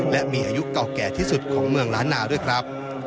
และมีอายุเก่าแก่ที่สุดของเมืองล้านนาด้วยครับ